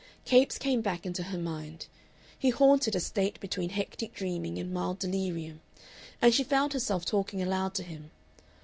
Capes came back into her mind. He haunted a state between hectic dreaming and mild delirium, and she found herself talking aloud to him.